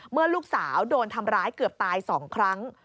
เมื่อลูกสาวโดนทำร้ายเกือบตาย๒ครั้ง